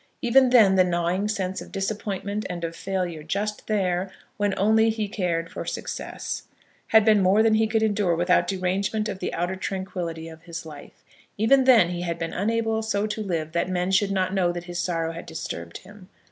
Even then the gnawing sense of disappointment and of failure, just there, when only he cared for success, had been more than he could endure without derangement of the outer tranquillity of his life. Even then he had been unable so to live that men should not know that his sorrow had disturbed him.